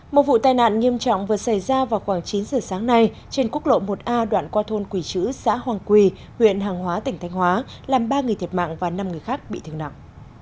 một vụ tai nạn nghiêm trọng vừa xảy ra vào khoảng chín giờ sáng nay trên quốc lộ một a đoạn qua thôn quỳ chữ xã hoàng quỳ huyện hoàng hóa tỉnh thanh hóa làm ba người thiệt mạng và năm người khác bị thương nặng